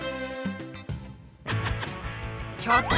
ちょっと！